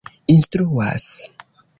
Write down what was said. instruas